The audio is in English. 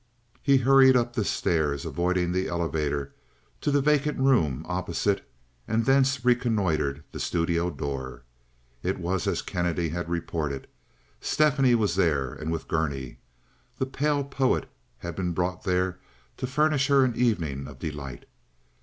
He hurried up the stairs, avoiding the elevator, to the vacant room opposite, and thence reconnoitered the studio door. It was as Kennedy had reported. Stephanie was there, and with Gurney. The pale poet had been brought there to furnish her an evening of delight.